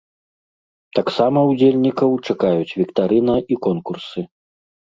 Таксама ўдзельнікаў чакаюць віктарына і конкурсы.